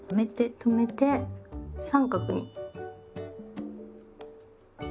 止めて三角に。